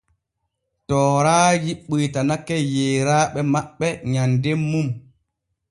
Tooraaji ɓuytanake yeeraaɓe maɓɓe nyanden mum.